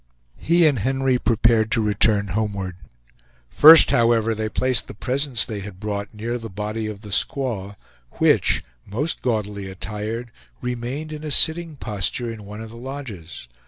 He and Henry prepared to return homeward; first, however, they placed the presents they had brought near the body of the squaw, which, most gaudily attired, remained in a sitting posture in one of the lodges.